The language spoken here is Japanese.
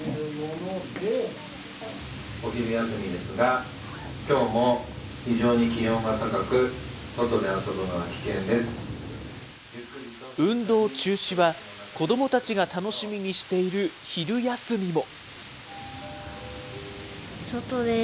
お昼休みですが、きょうも非常に気温が高く、運動中止は、子どもたちが楽しみにしている昼休みも。